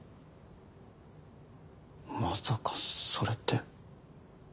まさかそれって。